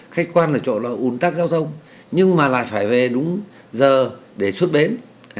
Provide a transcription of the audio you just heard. khách quan ở chỗ là ủn tắc giao thông nhưng mà lại phải về đúng giờ để xuất bến